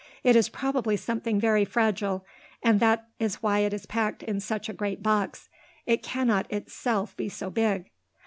"It is probably something very fragile and that is why it is packed in such a great box; it cannot itself be so big."